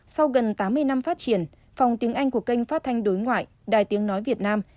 sau gần tám mươi năm phát triển phòng tiếng anh của kênh phát thanh đối ngoại đài tiếng nói việt nam